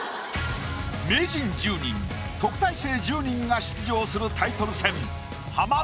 名人１０人特待生１０人が出場する。